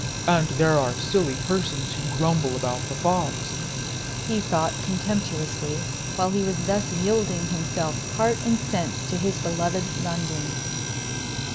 "And there are silly persons who grumble about the fogs!" he thought, contemptuously, while he was thus yielding himself heart and sense to his beloved London.